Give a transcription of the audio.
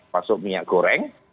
maksudnya minyak goreng